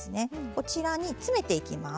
こちらに詰めていきます。